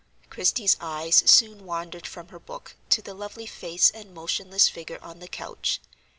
Christie's eyes soon wandered from her book to the lovely face and motionless figure on the couch.